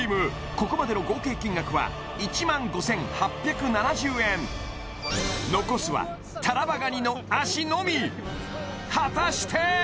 ここまでの合計金額は１５８７０円残すはタラバガニの脚のみ果たして！？